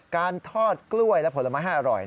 การทอดกล้วยและผลไม้ให้อร่อย